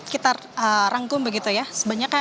kita rangkum begitu ya